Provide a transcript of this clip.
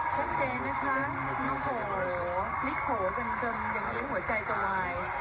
ช่างเจ๊นะคะโอ้โหพลิกโหลกันจนยังมีหัวใจจะลาย